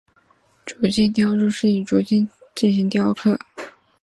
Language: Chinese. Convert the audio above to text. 竹青雕刻是以竹子筒茎进行雕刻。